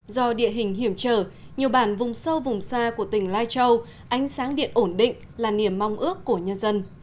do địa hình hiểm trở nhiều bản vùng sâu vùng xa của tỉnh lai châu ánh sáng điện ổn định là niềm mong ước của nhân dân